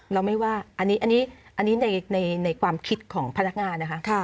เราไม่ว่าอันนี้ในความคิดของพนักงานนะคะ